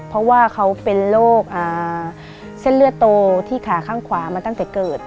เพราะว่าเขาเป็นโรคเส้นเลือดโตที่ขาข้างขวามาตั้งแต่เกิด